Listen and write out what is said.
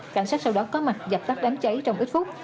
cảnh sát sau đó có mặt dập tắt đám cháy trong ít phút